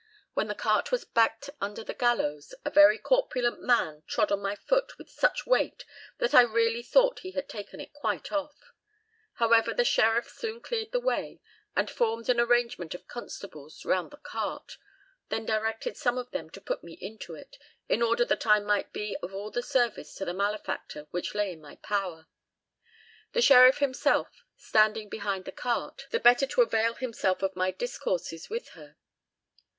When the cart was backed under the gallows, a very corpulent man trod on my foot with such weight that I really thought he had taken it quite off; however, the sheriff soon cleared the way, and formed an arrangement of constables round the cart, then directed some of them to put me into it, in order that I might be of all the service to the malefactor which lay in my power; the sheriff himself standing behind the cart, the better to avail himself of my discourses with her.